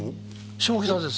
下北です